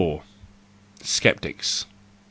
Sceptics .